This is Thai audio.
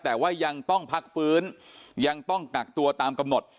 แต่ว่ายังต้องพักฟื้นยังต้องกักตัวตามกำหนด